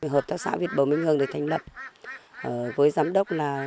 hợp tác xã vịt bầu minh hương được thành lập với giám đốc